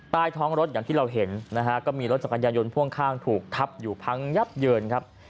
ใต้ท้องรถอย่างที่เราเห็นนะฮะก็มีรถจักรยานยนต์พ่วงข้างถูกทับอยู่พังยับเยินครับ